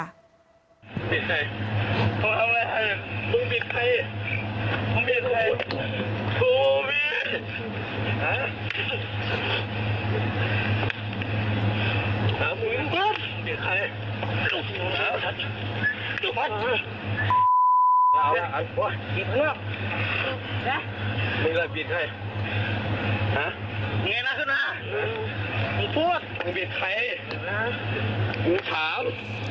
โอ้โฮหิบแล้วมีอะไรบีดให้ฮะมึงไงนะคุณฮะมึงพูดมึงบีดใครมึงถาม